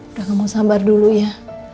udah kamu sambar dulu ya